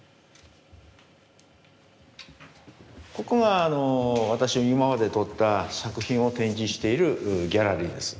ここは私が今まで撮った作品を展示しているギャラリーです。